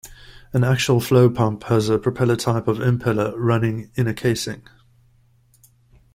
An axial flow pump has a propeller-type of impeller running in a casing.